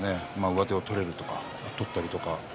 上手を取れるとか取ったりとか。